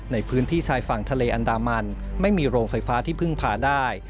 ในพื้นที่ชายฝั่งทะเลอันดามันไม่มีโรงไฟฟ้าที่พึ่งพาได้